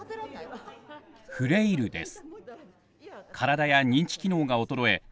「フレイル」です。